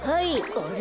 あれ？